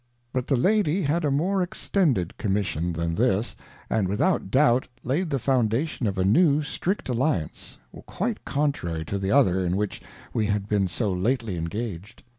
But the Lady had a more extended Commission than this and without doubt laid the Foundation of a new strjct AlKa nce, quite contrary to the other in which we had been so lately engaged.